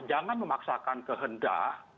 jangan memaksakan kehendak